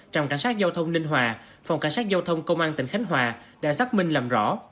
trong cảnh sát giao thông ninh hòa phòng cảnh sát giao thông công an tỉnh khánh hòa đã xác minh làm rõ